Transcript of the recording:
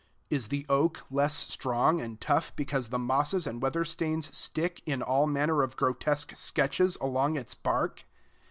Is the oak less strong and tough because the mosses and weather stains stick in all manner of grotesque sketches along its bark?